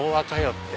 って。